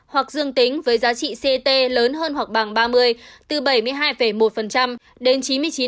hoặc dương tính với giá trị ct lớn hơn hoặc bằng ba mươi từ bảy mươi hai một đến chín mươi chín